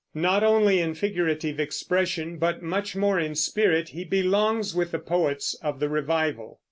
Not only in figurative expression, but much more in spirit, he belongs with the poets of the revival.